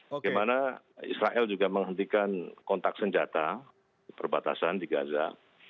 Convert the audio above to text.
bagaimana israel juga menghentikan kontak senjata di perbatasan di gaza